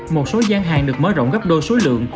một số gian hàng được mở rộng gấp đôi số lượng